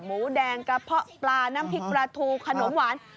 หมูแดงกระเพาะปลาน้ำพริกปลาทูขนมหวาน